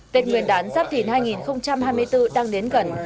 tết nguyên đán giáp thìn hai nghìn hai mươi bốn đang đến gần